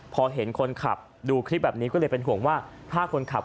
พอเห็นคนขับดูคลิปแบบนี้ก็เลยเป็นห่วงว่าถ้าคนขับ